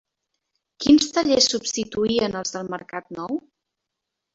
Quins tallers substituïen els de Mercat Nou?